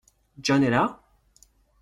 John est là ?